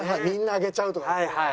『みんなあげちゃう』とか。